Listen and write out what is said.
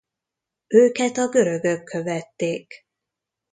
Őket a görögök követték.